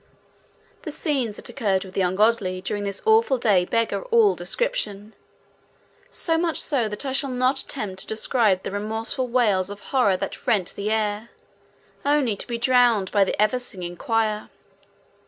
The scenes that occurred with the ungodly during this awful day beggar all description, so much so that I shall not attempt to describe the remorseful wails of horror that rent the air, only to be drowned by the ever singing choir.